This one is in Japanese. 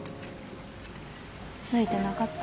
ついてなかった？